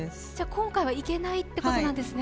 今回は行けないってことなんですね？